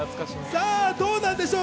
さぁ、どうなんでしょう？